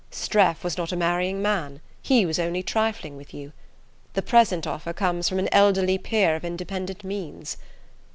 Streff was not a marrying man: he was only trifling with you. The present offer comes from an elderly peer of independent means.